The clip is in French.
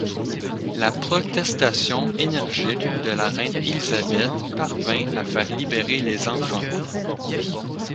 La protestation énergique de la Reine Élisabeth parvint à faire libérer les enfants.